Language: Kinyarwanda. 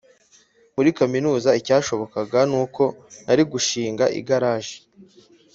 muri kaminuza icyashobokaga ni uko nari gushinga igaraje